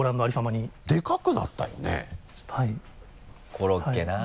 コロッケなぁ。